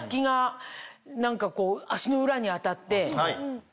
何かこう足の裏に当たって。